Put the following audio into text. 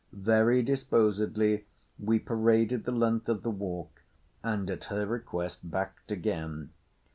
Very disposedly we paraded the length of the walk and at her request backed again.